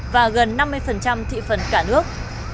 và gần năm mươi thị phần cả nước